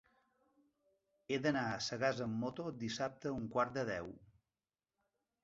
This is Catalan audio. He d'anar a Sagàs amb moto dissabte a un quart de deu.